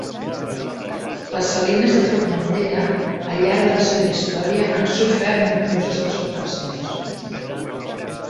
Les salines de Formentera, al llarg de la seua història han sofert nombroses transformacions.